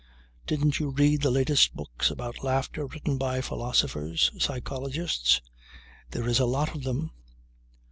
Didn't you read the latest books about laughter written by philosophers, psychologists? There is a lot of them